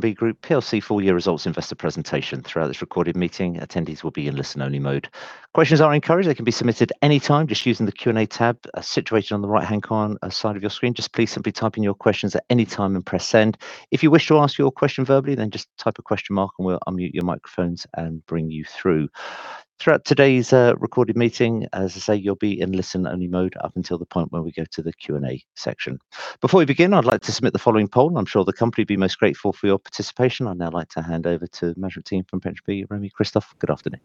PensionBee Group PLC full year results investor presentation. Throughout this recorded meeting, attendees will be in listen-only mode. Questions are encouraged. They can be submitted any time just using the Q&A tab, situated on the right-hand side of your screen. Just please simply type in your questions at any time and press send. If you wish to ask your question verbally, just type a question mark and we'll unmute your microphones and bring you through. Throughout today's recorded meeting, as I say, you'll be in listen-only mode up until the point where we go to the Q&A section. Before we begin, I'd like to submit the following poll. I'm sure the company will be most grateful for your participation. I'd now like to hand over to management team from PensionBee, Romi Savova. Good afternoon.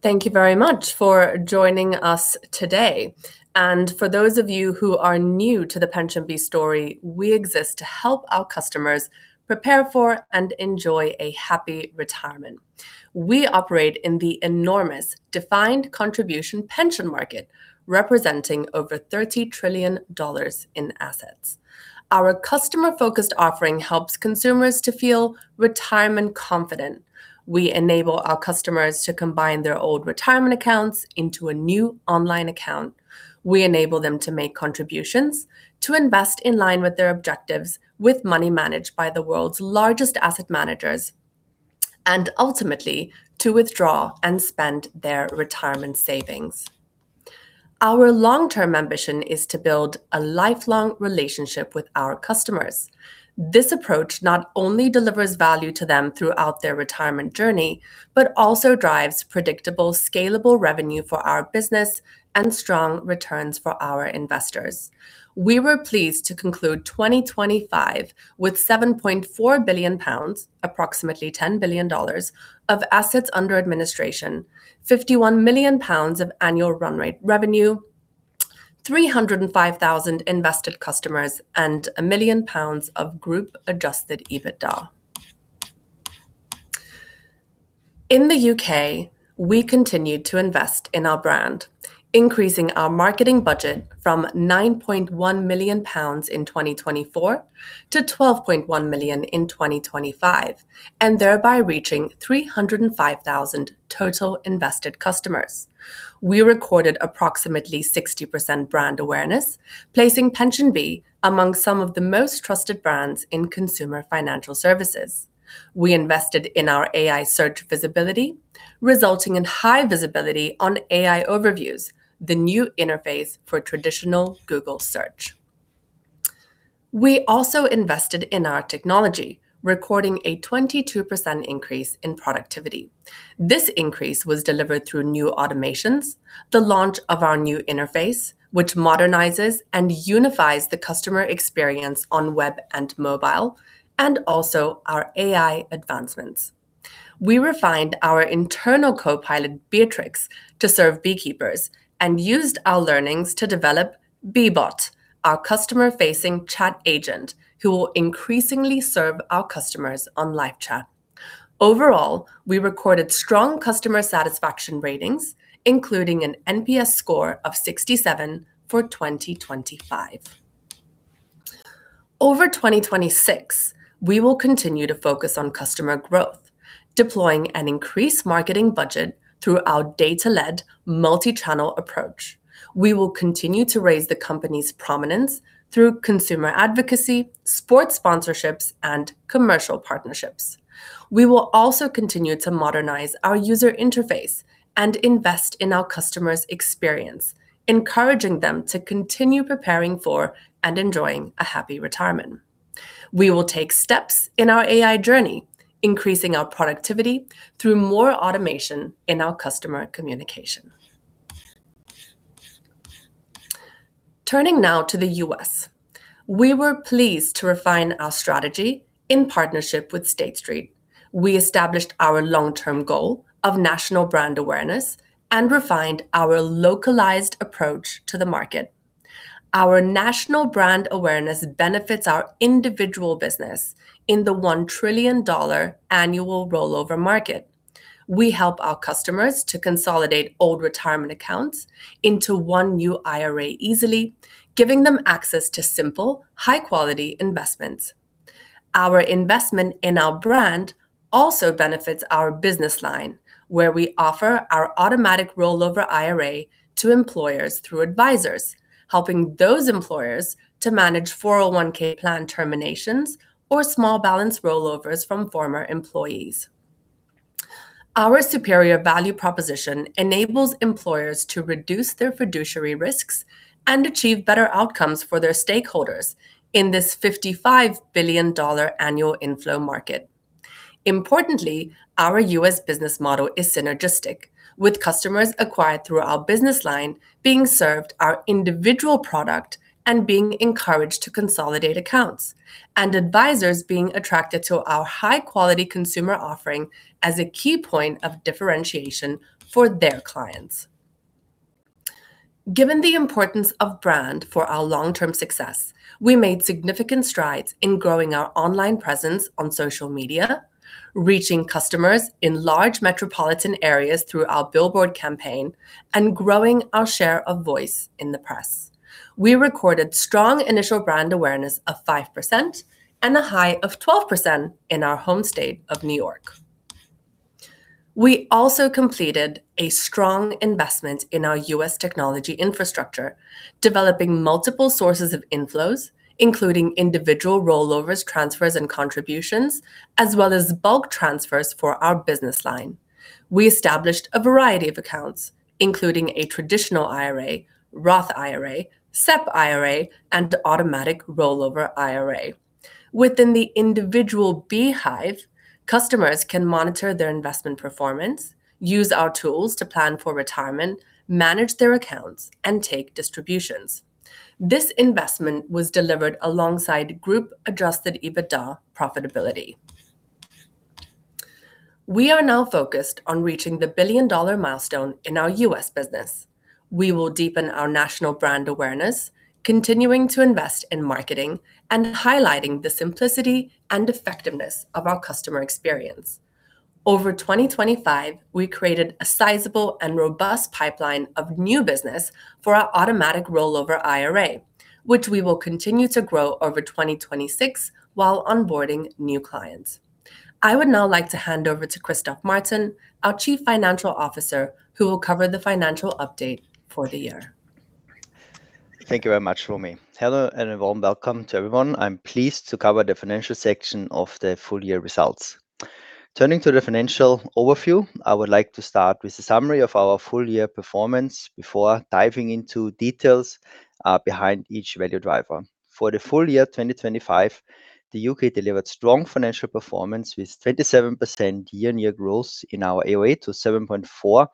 Thank you very much for joining us today. For those of you who are new to the PensionBee story, we exist to help our customers prepare for and enjoy a happy retirement. We operate in the enormous defined contribution pension market, representing over $30 trillion in assets. Our customer-focused offering helps consumers to feel retirement confident. We enable our customers to combine their old retirement accounts into a new online account. We enable them to make contributions, to invest in line with their objectives, with money managed by the world's largest asset managers, and ultimately, to withdraw and spend their retirement savings. Our long-term ambition is to build a lifelong relationship with our customers. This approach not only delivers value to them throughout their retirement journey, but also drives predictable, scalable revenue for our business and strong returns for our investors. We were pleased to conclude 2025 with 7.4 billion pounds, approximately $10 billion of assets under administration, 51 million pounds of annual run rate revenue, 305,000 invested customers, and 1 million pounds of group adjusted EBITDA. In the U.K., we continued to invest in our brand, increasing our marketing budget from 9.1 million pounds in 2024 to 12.1 million in 2025, and thereby reaching 305,000 total invested customers. We recorded approximately 60% brand awareness, placing PensionBee among some of the most trusted brands in consumer financial services. We invested in our AI search visibility, resulting in high visibility on AI Overviews, the new interface for traditional Google search. We also invested in our technology, recording a 22% increase in productivity. This increase was delivered through new automations, the launch of our new interface, which modernizes and unifies the customer experience on web and mobile, and also our AI advancements. We refined our internal co-pilot, Beatrix, to serve BeeKeepers and used our learnings to develop BeeBot, our customer-facing chat agent, who will increasingly serve our customers on live chat. Overall, we recorded strong customer satisfaction ratings, including an NPS score of 67 for 2025. Over 2026, we will continue to focus on customer growth, deploying an increased marketing budget through our data-led multi-channel approach. We will continue to raise the company's prominence through consumer advocacy, sports sponsorships, and commercial partnerships. We will also continue to modernize our user interface and invest in our customers' experience, encouraging them to continue preparing for and enjoying a happy retirement. We will take steps in our AI journey, increasing our productivity through more automation in our customer communication. Turning now to the U.S., we were pleased to refine our strategy in partnership with State Street. We established our long-term goal of national brand awareness and refined our localized approach to the market. Our national brand awareness benefits our individual business in the $1 trillion annual rollover market. We help our customers to consolidate old retirement accounts into one new IRA easily, giving them access to simple, high-quality investments. Our investment in our brand also benefits our business line, where we offer our Automatic Rollover IRA to employers through advisors, helping those employers to manage 401(k) plan terminations or small balance rollovers from former employees. Our superior value proposition enables employers to reduce their fiduciary risks and achieve better outcomes for their stakeholders in this $55 billion annual inflow market. Importantly, our U.S. business model is synergistic with customers acquired through our business line being served by our individual product and being encouraged to consolidate accounts and advisors being attracted to our high-quality consumer offering as a key point of differentiation for their clients. Given the importance of brand for our long-term success, we made significant strides in growing our online presence on social media, reaching customers in large metropolitan areas through our billboard campaign and growing our share of voice in the press. We recorded strong initial brand awareness of 5% and a high of 12% in our home state of New York. We also completed a strong investment in our U.S. technology infrastructure, developing multiple sources of inflows, including individual rollovers, transfers and contributions, as well as bulk transfers for our business line. We established a variety of accounts, including a Traditional IRA, Roth IRA, SEP IRA, and Automatic Rollover IRA. Within the individual BeeHive, customers can monitor their investment performance, use our tools to plan for retirement, manage their accounts and take distributions. This investment was delivered alongside group-adjusted EBITDA profitability. We are now focused on reaching the billion-dollar milestone in our U.S. business. We will deepen our national brand awareness, continuing to invest in marketing and highlighting the simplicity and effectiveness of our customer experience. Over 2025, we created a sizable and robust pipeline of new business for our Automatic Rollover IRA, which we will continue to grow over 2026 while onboarding new clients. I would now like to hand over to Christoph Martin, our Chief Financial Officer, who will cover the financial update for the year. Thank you very much Romi. Hello, and a warm welcome to everyone. I'm pleased to cover the financial section of the full year results. Turning to the financial overview, I would like to start with a summary of our full year performance before diving into details behind each value driver. For the full year 2025, the U.K. delivered strong financial performance with 27% year-on-year growth in our AUA to 7.4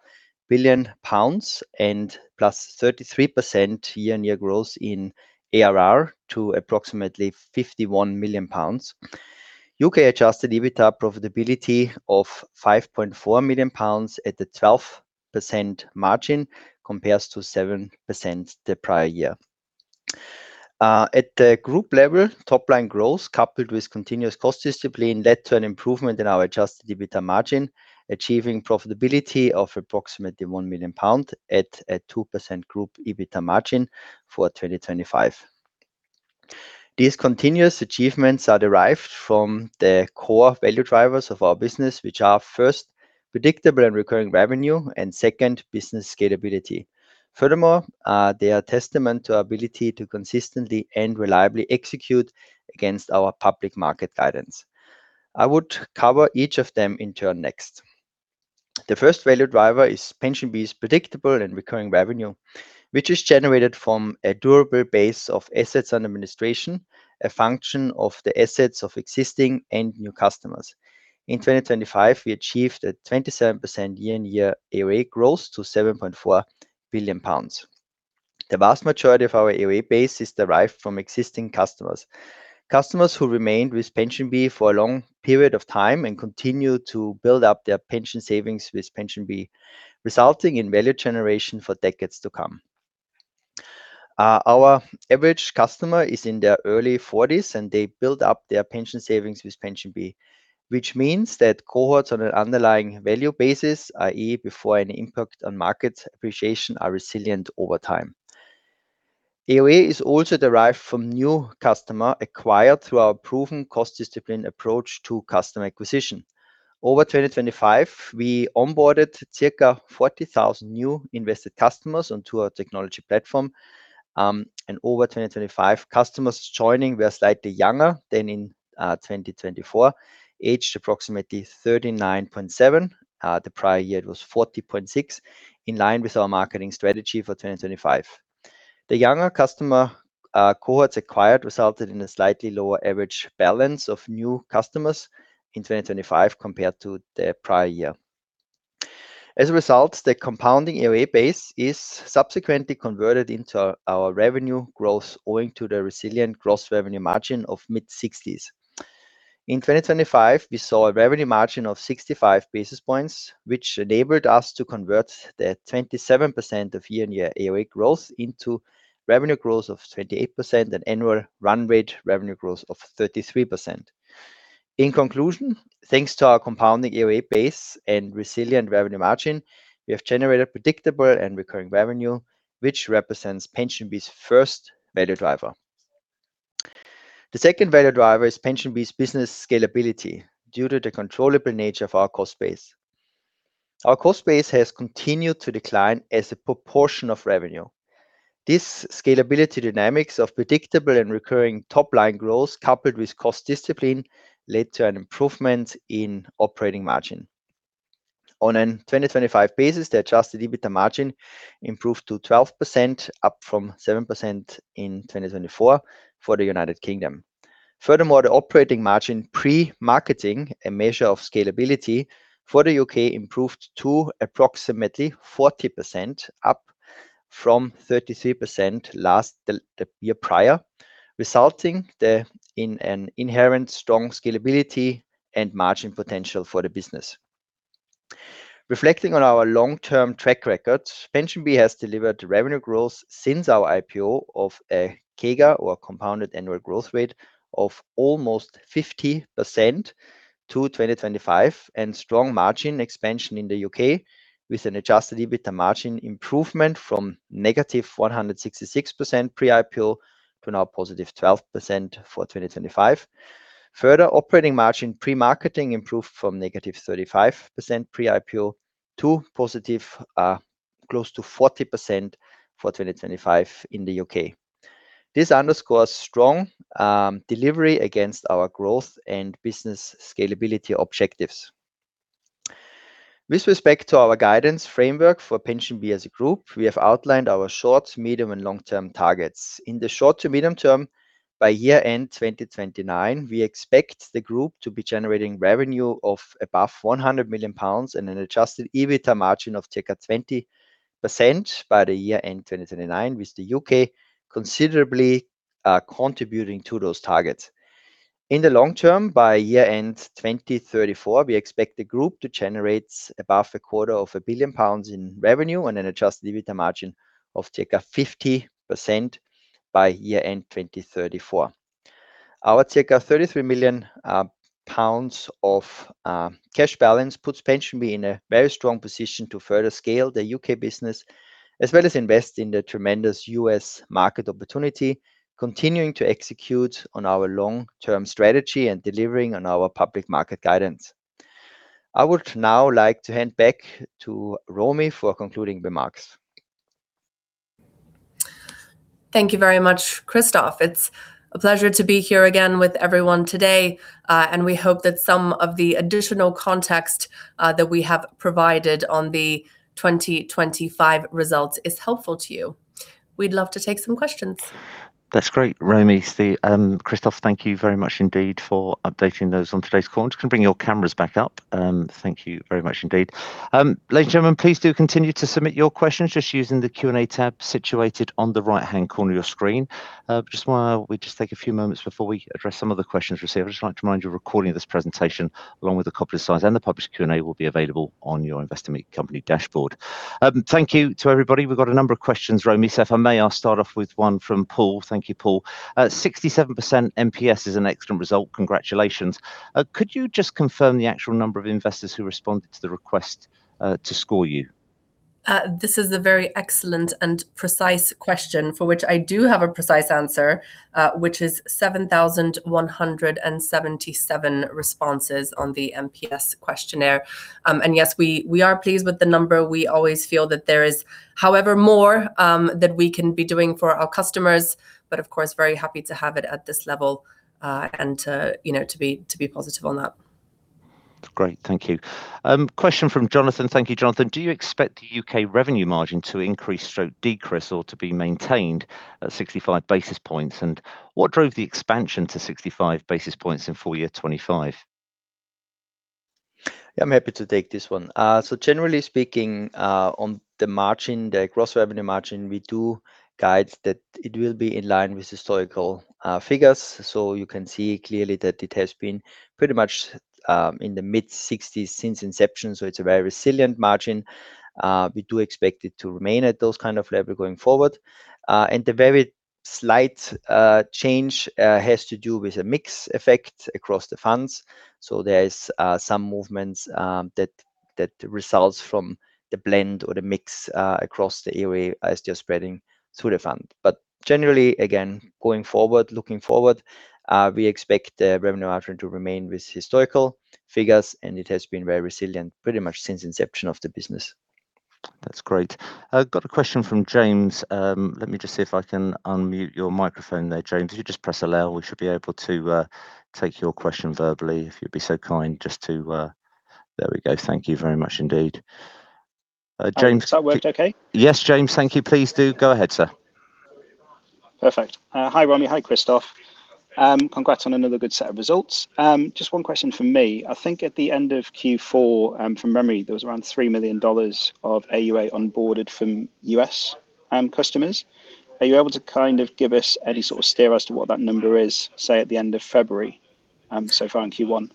billion pounds and +33% year-on-year growth in ARR to approximately 51 million pounds. U.K. adjusted EBITDA profitability of 5.4 million pounds at the 12% margin compares to 7% the prior year. At the group level, top line growth, coupled with continuous cost discipline, led to an improvement in our adjusted EBITDA margin, achieving profitability of approximately 1 million pound at a 2% group EBITDA margin for 2025. These continuous achievements are derived from the core value drivers of our business, which are, first, predictable and recurring revenue, and second, business scalability. Furthermore, they are testament to our ability to consistently and reliably execute against our public market guidance. I would cover each of them in turn next. The first value driver is PensionBee's predictable and recurring revenue, which is generated from a durable base of assets under administration, a function of the assets of existing and new customers. In 2025, we achieved a 27% year-on-year AUA growth to 7.4 billion pounds. The vast majority of our AUA base is derived from existing customers who remained with PensionBee for a long period of time and continue to build up their pension savings with PensionBee, resulting in value generation for decades to come. Our average customer is in their early forties, and they build up their pension savings with PensionBee, which means that cohorts on an underlying value basis, i.e. before any impact on market appreciation, are resilient over time. AUA is also derived from new customer acquired through our proven cost discipline approach to customer acquisition. Over 2025, we onboarded circa 40,000 new invested customers onto our technology platform. And over 2025, customers joining were slightly younger than in 2024, aged approximately 39.7. The prior year it was 40.6, in line with our marketing strategy for 2025. The younger customer cohorts acquired resulted in a slightly lower average balance of new customers in 2025 compared to the prior year. As a result, the compounding AUA base is subsequently converted into our revenue growth owing to the resilient gross revenue margin of mid-60s percent. In 2025, we saw a revenue margin of 65 basis points, which enabled us to convert the 27% year-on-year AUA growth into revenue growth of 28% and annual run rate revenue growth of 33%. In conclusion, thanks to our compounding AUA base and resilient revenue margin, we have generated predictable and recurring revenue, which represents PensionBee's first value driver. The second value driver is PensionBee's business scalability due to the controllable nature of our cost base. Our cost base has continued to decline as a proportion of revenue. This scalability dynamics of predictable and recurring top-line growth, coupled with cost discipline, led to an improvement in operating margin. On a 2025 basis, the adjusted EBITDA margin improved to 12%, up from 7% in 2024 for the United Kingdom. Furthermore, the operating margin pre-marketing, a measure of scalability for the U.K., improved to approximately 40%, up from 33% the year prior, resulting in an inherently strong scalability and margin potential for the business. Reflecting on our long-term track record, PensionBee has delivered revenue growth since our IPO of a CAGR, or compounded annual growth rate, of almost 50% to 2025, and strong margin expansion in the U.K. with an adjusted EBITDA margin improvement from negative 166% pre-IPO to now positive 12% for 2025. Further, operating margin pre-marketing improved from negative 35% pre-IPO to positive, close to 40% for 2025 in the U.K. This underscores strong delivery against our growth and business scalability objectives. With respect to our guidance framework for PensionBee as a group, we have outlined our short, medium, and long-term targets. In the short to medium term, by year-end 2029, we expect the group to be generating revenue of above 100 million pounds and an adjusted EBITDA margin of 20% by the year-end 2029, with the U.K. considerably contributing to those targets. In the long term, by year-end 2034, we expect the group to generate above GBP a quarter of a billion in revenue and an adjusted EBITDA margin of 50% by year-end 2034. Our 33 million pounds of cash balance puts PensionBee in a very strong position to further scale the U.K. business as well as invest in the tremendous U.S. market opportunity, continuing to execute on our long-term strategy and delivering on our public market guidance. I would now like to hand back to Romy for concluding remarks. Thank you very much Christoph. It's a pleasure to be here again with everyone today. We hope that some of the additional context that we have provided on the 2025 results is helpful to you. We'd love to take some questions. That's great. Romi, Christoph thank you very much indeed for updating those on today's call. Just gonna bring your cameras back up. Thank you very much indeed. Ladies and gentlemen, please do continue to submit your questions just using the Q&A tab situated on the right-hand corner of your screen. Just while we take a few moments before we address some of the questions received, I just want to remind you a recording of this presentation, along with a copy of the slides and the published Q&A, will be available on your Investor Meet Company dashboard. Thank you to everybody. We've got a number of questions, Romi. If I may, I'll start off with one from Paul. Thank you, Paul. 67% NPS is an excellent result. Congratulations. Could you just confirm the actual number of investors who responded to the request to score you? This is a very excellent and precise question for which I do have a precise answer, which is 7,177 responses on the NPS questionnaire. Yes, we are pleased with the number. We always feel that there is, however, more that we can be doing for our customers, but of course, very happy to have it at this level, and to, you know, be positive on that. Great. Thank you. Question from Jonathan. Thank you, Jonathan. Do you expect the U.K. revenue margin to increase or decrease or to be maintained at 65 basis points? And what drove the expansion to 65 basis points in full year 2025? Yeah, I'm happy to take this one. Generally speaking, on the margin, the gross revenue margin, we do guide that it will be in line with historical figures. You can see clearly that it has been pretty much in the mid-60s percent since inception, so it's a very resilient margin. We do expect it to remain at those kind of level going forward. The very slight change has to do with a mix effect across the funds. There is some movements that results from the blend or the mix across the AUA as they are spreading through the fund. Generally, again, going forward, looking forward, we expect the revenue margin to remain with historical figures, and it has been very resilient pretty much since inception of the business. That's great. I've got a question from James. Let me just see if I can unmute your microphone there, James. If you just press allow, we should be able to take your question verbally, if you'd be so kind just to. There we go. Thank you very much indeed. James. Hope that worked okay. Yes James. Thank you. Please do go ahead, sir. Perfect. Hi Romy. Hi, Christoph. Congrats on another good set of results. Just one question from me. I think at the end of Q4, from memory, there was around $3 million of AUA onboarded from U.S. customers. Are you able to kind of give us any sort of steer as to what that number is, say at the end of February, so far in Q1?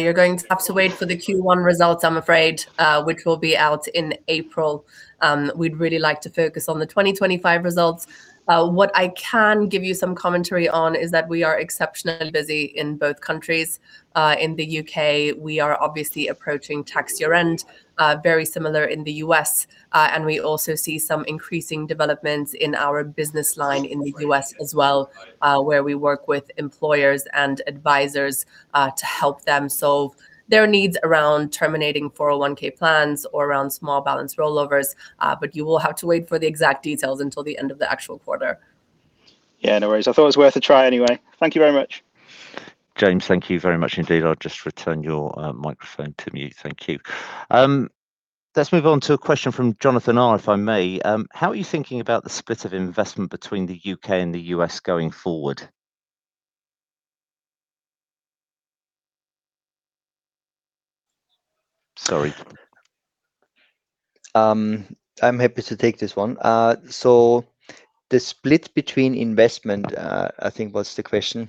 You're going to have to wait for the Q1 results, I'm afraid, which will be out in April. We'd really like to focus on the 2025 results. What I can give you some commentary on is that we are exceptionally busy in both countries. In the U.K., we are obviously approaching tax year-end, very similar in the U.S. We also see some increasing developments in our business line in the U.S. as well, where we work with employers and advisors, to help them solve their needs around terminating 401(k) plans or around small balance rollovers. You will have to wait for the exact details until the end of the actual quarter. Yeah, no worries. I thought it was worth a try anyway. Thank you very much. James, thank you very much indeed. I'll just return your microphone to mute. Thank you. Let's move on to a question from Jonathan R, if I may. How are you thinking about the split of investment between the U.K. and the U.S. going forward? Sorry. I'm happy to take this one. The split between investment, I think, was the question.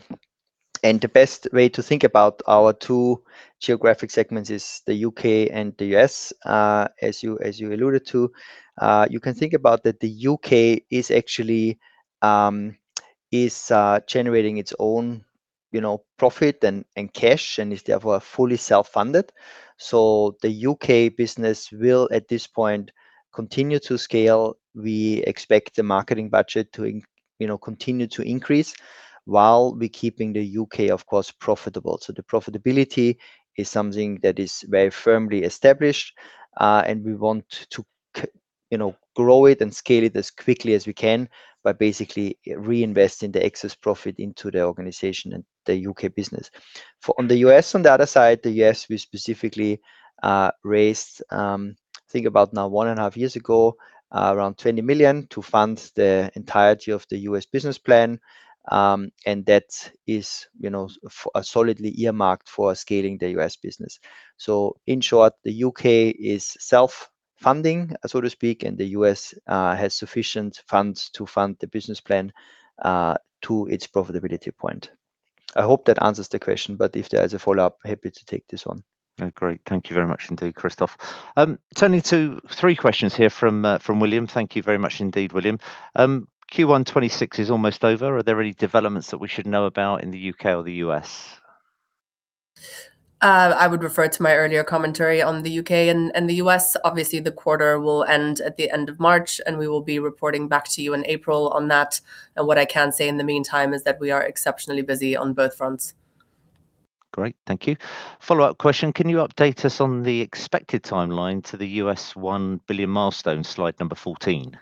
The best way to think about our two geographic segments is the U.K and the US, as you alluded to. You can think about that the U.K. is actually generating its own, you know, profit and cash and is therefore fully self-funded. The UK business will, at this point, continue to scale. We expect the marketing budget to continue to increase while we keeping the U.K., of course, profitable. The profitability is something that is very firmly established, and we want to, you know, grow it and scale it as quickly as we can by basically reinvesting the excess profit into the organization and the U.K. business. For the U.S. on the other side, yes, we specifically raised. I think about now one and a half years ago, around 20 million to fund the entirety of the U.S. business plan. That is, you know, solidly earmarked for scaling the U.S. business. In short, the U.K. is self-funding, so to speak, and the U.S. has sufficient funds to fund the business plan to its profitability point. I hope that answers the question, but if there is a follow-up, happy to take this on. Okay, great. Thank you very much indeed, Christoph. Turning to three questions here from William. Thank you very much indeed, William. Q1 2026 is almost over. Are there any developments that we should know about in the U.K. or the U.S? I would refer to my earlier commentary on the U.K. and the U.S. Obviously, the quarter will end at the end of March, and we will be reporting back to you in April on that. What I can say in the meantime is that we are exceptionally busy on both fronts. Great. Thank you. Follow-up question, can you update us on the expected timeline to the U.S. $1 billion milestone, slide number 14?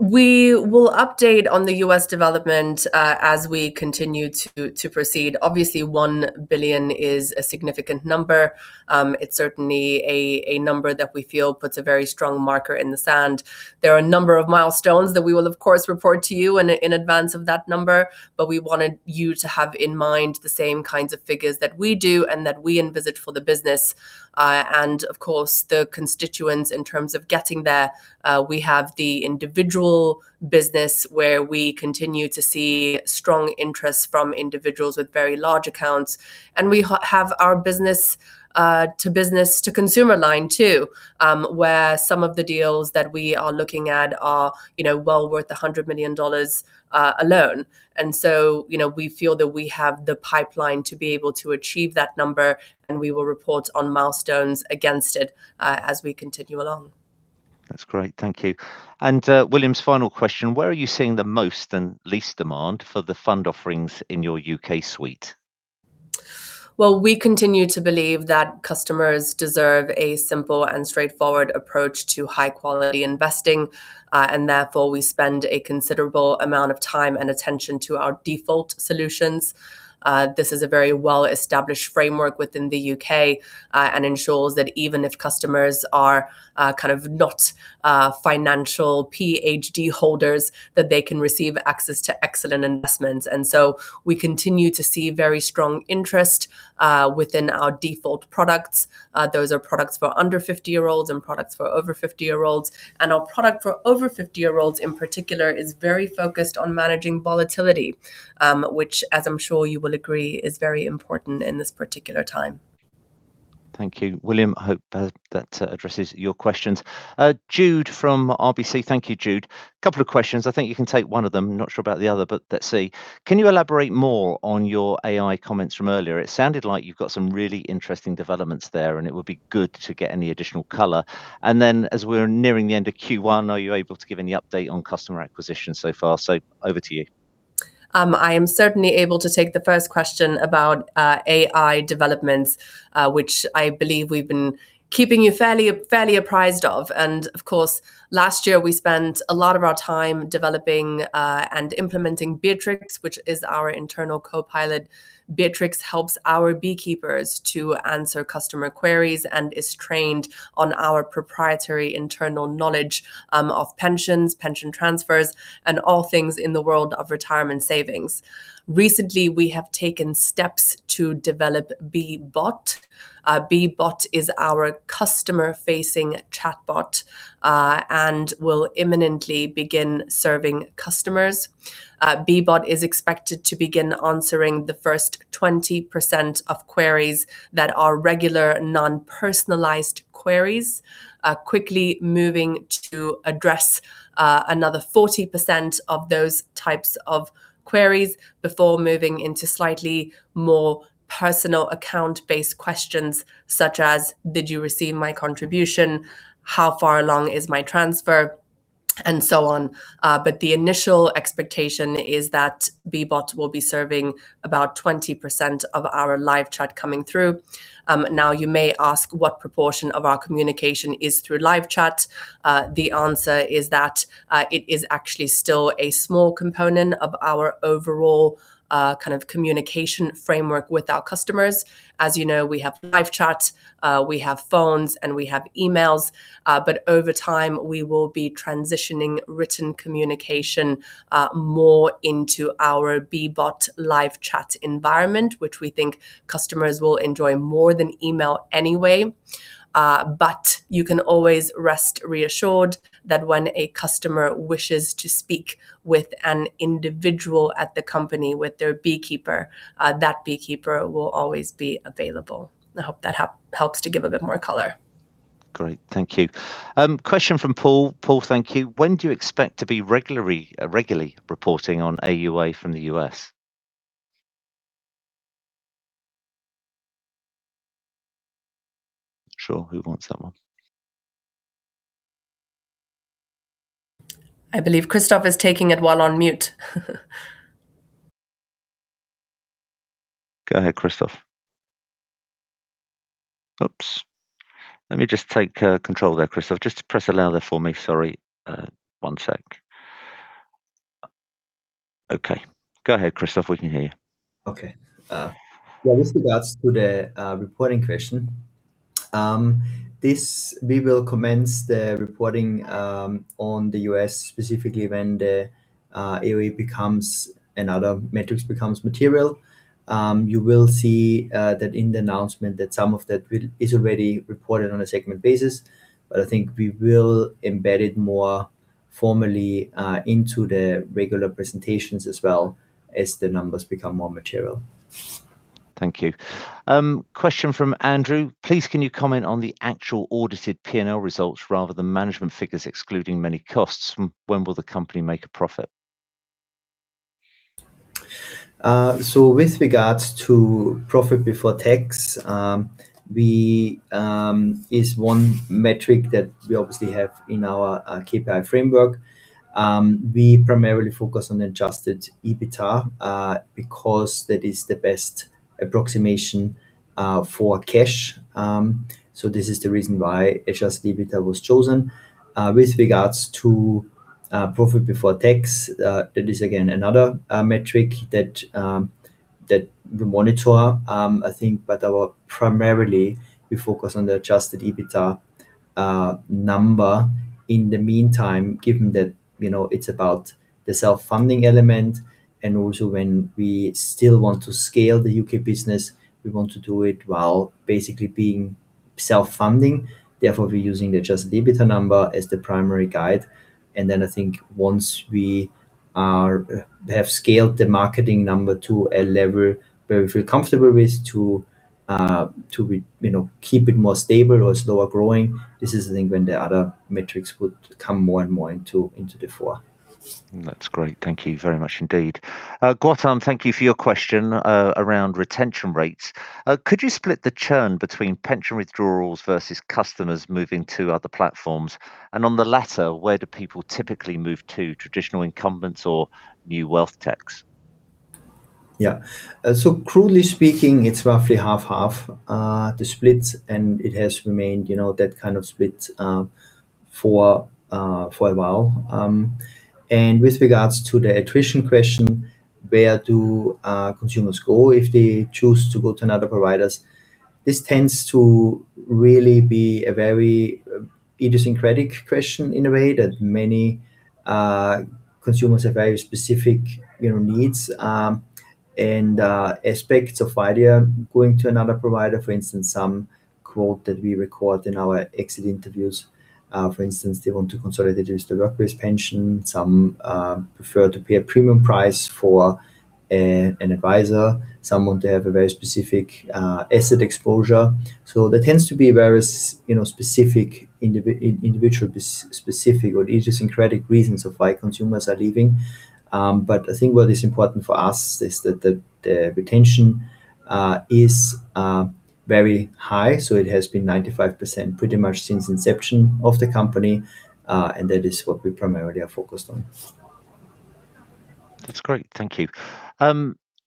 We will update on the U.S. development as we continue to proceed. Obviously, $1 billion is a significant number. It's certainly a number that we feel puts a very strong marker in the sand. There are a number of milestones that we will of course report to you in advance of that number. We wanted you to have in mind the same kinds of figures that we do and that we envisage for the business. Of course, the constituents in terms of getting there, we have the individual business where we continue to see strong interest from individuals with very large accounts. We have our B2B to B2C line too, where some of the deals that we are looking at are, you know, well worth $100 million alone. You know, we feel that we have the pipeline to be able to achieve that number, and we will report on milestones against it, as we continue along. That's great. Thank you. William's final question, where are you seeing the most and least demand for the fund offerings in your U.K. suite? Well, we continue to believe that customers deserve a simple and straightforward approach to high-quality investing, and therefore we spend a considerable amount of time and attention to our default solutions. This is a very well-established framework within the U.K., and ensures that even if customers are kind of not financial Ph.D. holders, that they can receive access to excellent investments. We continue to see very strong interest within our default products. Those are products for under 50-year-olds and products for over 50-year-olds. Our product for over 50-year-olds in particular is very focused on managing volatility, which as I'm sure you will agree is very important in this particular time. Thank you. William, I hope that addresses your questions. Jude from RBC. Thank you, Jude. Couple of questions. I think you can take one of them. Not sure about the other, but let's see. Can you elaborate more on your AI comments from earlier? It sounded like you've got some really interesting developments there, and it would be good to get any additional color. Then as we're nearing the end of Q1, are you able to give any update on customer acquisition so far? Over to you. I am certainly able to take the first question about AI developments, which I believe we've been keeping you fairly apprised of. Of course, last year we spent a lot of our time developing and implementing Beatrix, which is our internal co-pilot. Beatrix helps our BeeKeepers to answer customer queries and is trained on our proprietary internal knowledge of pensions, pension transfers, and all things in the world of retirement savings. Recently, we have taken steps to develop BeeBot. BeeBot is our customer-facing chatbot and will imminently begin serving customers. BeeBot is expected to begin answering the first 20% of queries that are regular non-personalized queries, quickly moving to address another 40% of those types of queries before moving into slightly more personal account-based questions such as, "Did you receive my contribution?" "How far along is my transfer?" And so on. But the initial expectation is that BeeBot will be serving about 20% of our live chat coming through. Now you may ask what proportion of our communication is through live chat. The answer is that it is actually still a small component of our overall kind of communication framework with our customers. As you know, we have live chat, we have phones, and we have emails. Over time, we will be transitioning written communication more into our BeeBot live chat environment, which we think customers will enjoy more than email anyway. You can always rest assured that when a customer wishes to speak with an individual at the company with their BeeKeeper, that BeeKeeper will always be available. I hope that helps to give a bit more color. Great. Thank you. Question from Paul. Paul, thank you. When do you expect to be regularly reporting on AUA from the US? Not sure who wants that one. I believe Christoph is taking it while on mute. Go ahead Christoph. Oops. Let me just take control there, Christoph. Just press allow there for me. Sorry, one sec. Okay, go ahead, Christoph. We can hear you. Okay. Yeah, with regards to the reporting question, we will commence the reporting on the U.S. specifically when the AUA and other metrics become material. You will see that in the announcement that some of that is already reported on a segment basis. I think we will embed it more formally into the regular presentations as well, as the numbers become more material. Thank you. Question from Andrew: Please can you comment on the actual audited P&L results rather than management figures excluding many costs? When will the company make a profit? With regards to profit before tax, it is one metric that we obviously have in our KPI framework. We primarily focus on adjusted EBITDA because that is the best approximation for cash. This is the reason why adjusted EBITDA was chosen. With regards to profit before tax, that is again another metric that we monitor, I think, but primarily we focus on the adjusted EBITDA number. In the meantime, given that, you know, it's about the self-funding element and also when we still want to scale the U.K. business, we want to do it while basically being self-funding, therefore, we're using the adjusted EBITDA number as the primary guide. I think once we have scaled the marketing number to a level where we feel comfortable with to be you know keep it more stable or slower growing, this is I think when the other metrics would come more and more into the fore. That's great. Thank you very much indeed. Gautam, thank you for your question around retention rates. Could you split the churn between pension withdrawals versus customers moving to other platforms? On the latter, where do people typically move to, traditional incumbents or new wealth techs? Yeah. So crudely speaking, it's roughly half and half, the split, and it has remained, you know, that kind of split, for a while. With regards to the attrition question, where do consumers go if they choose to go to another provider, this tends to really be a very idiosyncratic question in a way that many consumers have very specific, you know, needs, and aspects of why they are going to another provider. For instance, some quotes that we record in our exit interviews, for instance, they want to consolidate just their workplace pension. Some prefer to pay a premium price for an advisor. Some want to have a very specific asset exposure. There tends to be various, you know, specific individual specific or idiosyncratic reasons of why consumers are leaving. I think what is important for us is that the retention is very high. It has been 95% pretty much since inception of the company, and that is what we primarily are focused on. That's great. Thank you.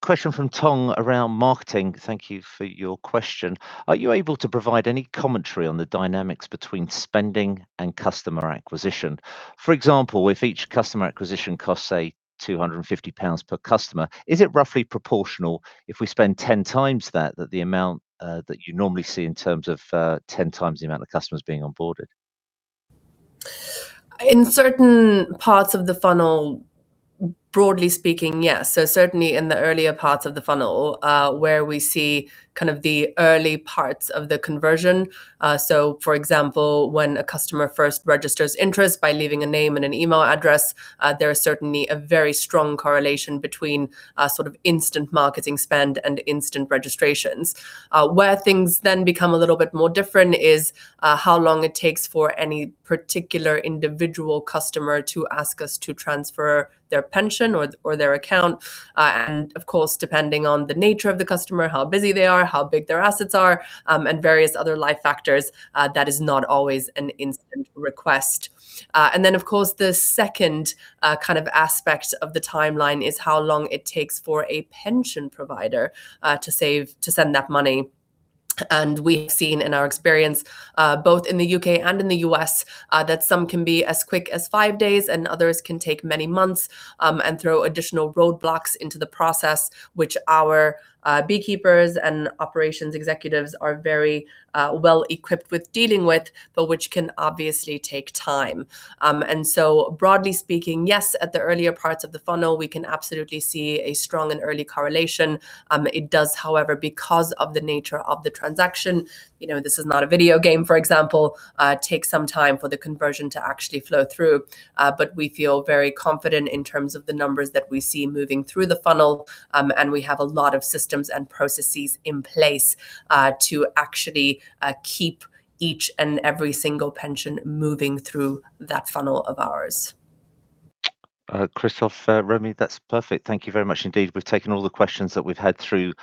Question from Tong around marketing. Thank you for your question. Are you able to provide any commentary on the dynamics between spending and customer acquisition? For example, if each customer acquisition costs, say, 250 pounds per customer, is it roughly proportional if we spend ten times that, the amount that you normally see in terms of ten times the amount of customers being onboarded? In certain parts of the funnel, broadly speaking, yes. Certainly in the earlier parts of the funnel, where we see kind of the early parts of the conversion, so for example, when a customer first registers interest by leaving a name and an email address, there is certainly a very strong correlation between, sort of instant marketing spend and instant registrations. Where things then become a little bit more different is, how long it takes for any particular individual customer to ask us to transfer their pension or their account. Of course, depending on the nature of the customer, how busy they are, how big their assets are, and various other life factors, that is not always an instant request. Of course the second kind of aspect of the timeline is how long it takes for a pension provider to send that money. We've seen in our experience, both in the U.K. and in the U.S., that some can be as quick as five days and others can take many months, and throw additional roadblocks into the process, which our BeeKeepers and operations executives are very well equipped with dealing with, but which can obviously take time. Broadly speaking, yes, at the earlier parts of the funnel, we can absolutely see a strong and early correlation. It does, however, because of the nature of the transaction, you know, this is not a video game, for example, take some time for the conversion to actually flow through. We feel very confident in terms of the numbers that we see moving through the funnel, and we have a lot of systems and processes in place to actually keep each and every single pension moving through that funnel of ours. Christoph, Romy, that's perfect. Thank you very much indeed. We've taken all the questions that we've had through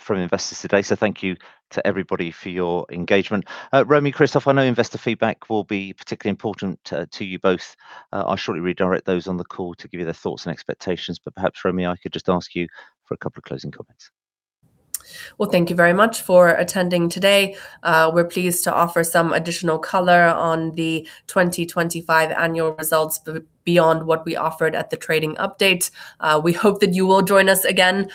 from investors today, so thank you to everybody for your engagement. Romy, Christoph, I know investor feedback will be particularly important to you both. I'll shortly redirect those on the call to give you their thoughts and expectations, but perhaps, Romy, I could just ask you for a couple of closing comments. Well, thank you very much for attending today. We're pleased to offer some additional color on the 2025 annual results beyond what we offered at the trading update. We hope that you will join us again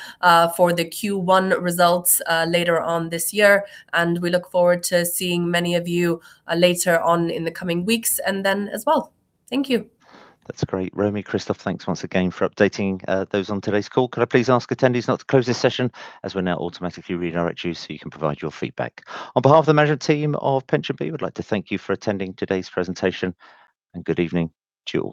for the Q1 results later on this year, and we look forward to seeing many of you later on in the coming weeks and then as well. Thank you. That's great. Romy, Christoph, thanks once again for updating those on today's call. Could I please ask attendees now to close this session as we'll now automatically redirect you so you can provide your feedback. On behalf of the management team of PensionBee, we'd like to thank you for attending today's presentation, and good evening to you all.